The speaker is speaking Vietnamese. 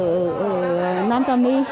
người dân ở nam trà my